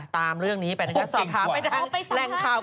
ตามเรื่องนี้ไปนะคะสอบถามไปทางแหล่งข่าว